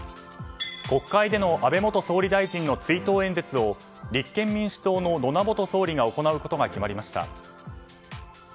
国会での安倍元総理大臣の追悼演説を立憲民主党の野田元総理が行うことが決まりました。